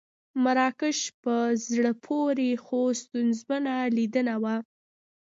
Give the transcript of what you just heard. مراکش په زړه پورې خو ستونزمنه لیدنه وه.